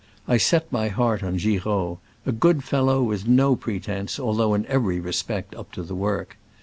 I set my heart on Giraud — a good fel low, with no pretence, although in every respect up to the work.